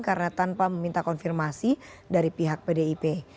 karena tanpa meminta konfirmasi dari pihak pdip